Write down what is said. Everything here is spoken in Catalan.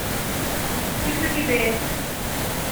Fixa-t'hi bé.